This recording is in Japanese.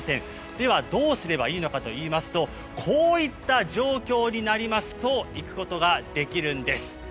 ではどうすればいいのかといいますとこういった状況になりますと行くことができるんです。